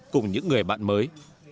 cùng những người bạn mới